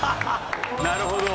なるほど。